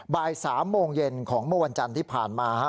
บ่าย๓โมงเย็นของเมื่อวันจันทร์ที่ผ่านมา